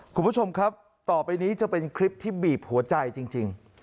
คุณผู้ชมครับต่อไปนี้จะเป็นคลิปที่บีบหัวใจจริง